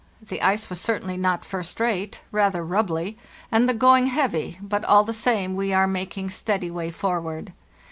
The ice was certainly not first rate, rather rubbly, and the going heavy, but all the same we are making steady way forward.